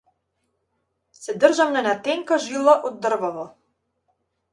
Се држам на една тенка жила од дрвово.